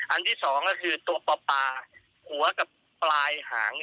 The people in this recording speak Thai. อันที่สองก็คือตัวปลาหัวกับปลายหาง